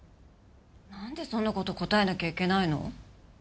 なんでそんなこと答えなきゃいけないの？